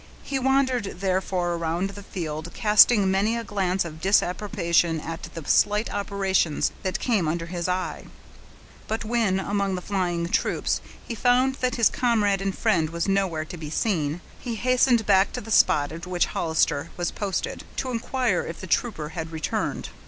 He wandered, therefore, around the field, casting many a glance of disapprobation at the slight operations that came under his eye; but when, among the flying troops, he found that his comrade and friend was nowhere to be seen, he hastened back to the spot at which Hollister was posted, to inquire if the trooper had returned.